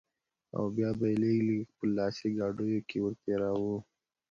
او بيا به يې لږ لږ په لاسي ګاډيو کښې ورتېراوه.